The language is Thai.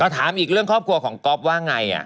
เหมือนยุ่งกันนัก